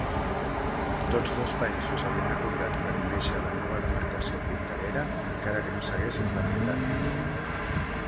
Tots dos països havien acordat reconèixer la nova demarcació fronterera encara que no s'hagués implementat.